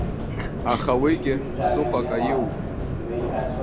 Аха уигьы ԥсыхәак аиуп.